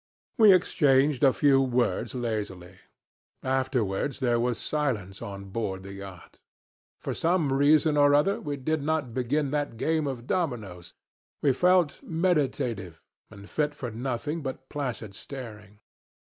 We exchanged a few words lazily. Afterwards there was silence on board the yacht. For some reason or other we did not begin that game of dominoes. We felt meditative, and fit for nothing but placid staring.